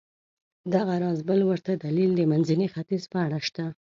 دغه راز بل ورته دلیل د منځني ختیځ په اړه شته.